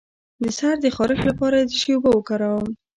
د سر د خارښ لپاره د څه شي اوبه وکاروم؟